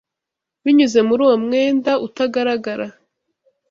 Binyuze muri uwo mwenda utagaragara